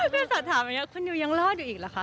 เพศสัตว์ถามอย่างนี้คุณนิวยังรอดอยู่อีกหรือคะ